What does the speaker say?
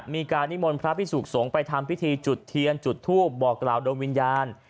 มีการนิมนต์พระพิสุขสงฆ์ไปทำพิธีจุดเทียนจุดทูปบอกกล่าวโดยวิญญาณ